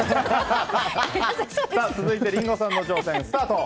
続いて、リンゴさんの挑戦スタート。